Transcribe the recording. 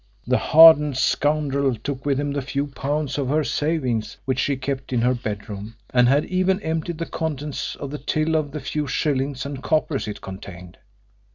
The hardened scoundrel took with him the few pounds of her savings which she kept in her bedroom, and had even emptied the contents of the till of the few shillings and coppers it contained.